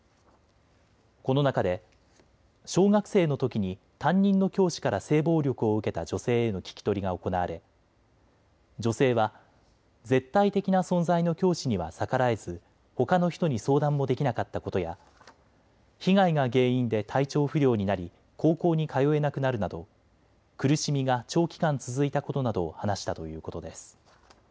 この中で小学生のときに担任の教師から性暴力を受けた女性への聞き取りが行われ女性は絶対的な存在の教師には逆らえず、ほかの人に相談もできなかったことや被害が原因で体調不良になり高校に通えなくなるなど苦しみが長期間続いたことなどを話したということです。